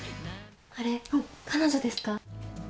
あれ、彼女ですか？